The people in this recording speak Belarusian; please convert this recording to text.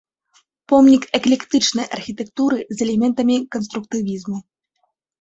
Помнік эклектычнай архітэктуры з элементамі канструктывізму.